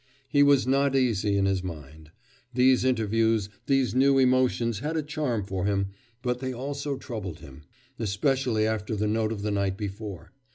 He was not easy in his mind. These interviews, these new emotions had a charm for him, but they also troubled him, especially after the note of the night before.